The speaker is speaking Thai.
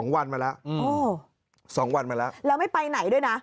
๒วันมาแล้ว๒วันมาแล้วแล้วไม่ไปไหนด้วยนะ